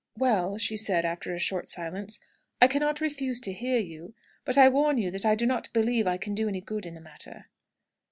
"Well," she said, after a short silence, "I cannot refuse to hear you. But I warn you that I do not believe I can do any good in the matter."